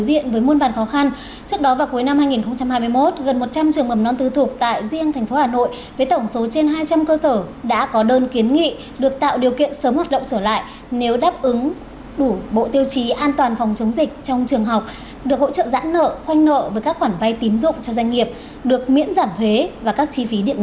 để cùng với nhiều khó khăn trồng chất